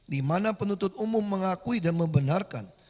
dimana penuntut umum mengakui dan membenarkan